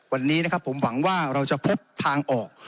วันนี้ผมหวังว่าเราจะพบทางออก